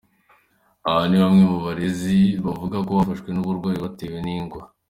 Abo ni bamwe mu barezi bavuga ko bafashwe n’uburwayi batewe n’ingwa.